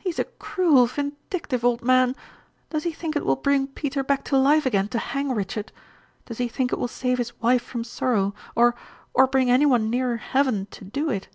"He is a cruel, vindictive old man. Does he think it will bring Peter back to life again to hang Richard? Does he think it will save his wife from sorrow, or or bring any one nearer heaven to do it?"